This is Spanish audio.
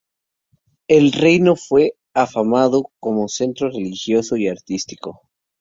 El reino fue afamado como centro religioso y artístico.